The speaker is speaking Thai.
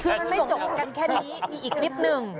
คือมันไม่จบกันแค่นี้มีอีกคลิปหนึ่ง